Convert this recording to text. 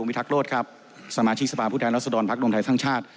อุงวิทักรวจครับสมาชิกสภาพผู้แทนรัศดรภักดงไทยทั้งชาติ